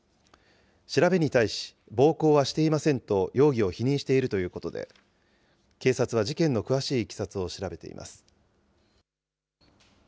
調べに対し、暴行はしていませんと容疑を否認しているということで、警察は事件の詳しいいきさつを調べています。